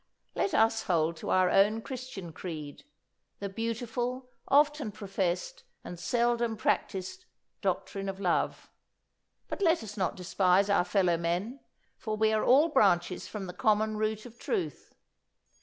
Let us hold to our own Christian creed, the beautiful, often professed, and seldom practised doctrine of love, but let us not despise our fellow men, for we are all branches from the common root of truth."